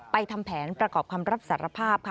ทำแผนประกอบคำรับสารภาพค่ะ